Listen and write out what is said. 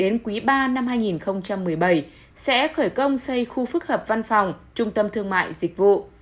năm hai nghìn một mươi bảy sẽ khởi công xây khu phức hợp văn phòng trung tâm thương mại dịch vụ